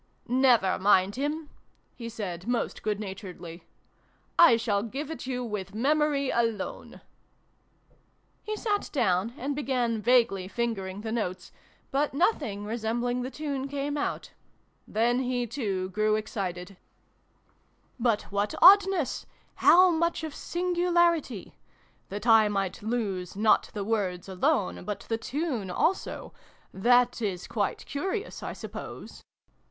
" Nevare mind him !" he said, most good naturedly. " I shall give it you with memory alone !" He sat down, and began vaguely fing ering the notes ; but nothing resembling the tune came out. Then he, too, grew excited. 250 SYLVIE AND BRUNO CONCLUDED. " But what oddness ! How much of singularity ! That I might lose, not the words alone, but the tune also that is quite curious, I suppose